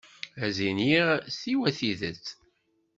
Ad d-iniɣ siwa tidet.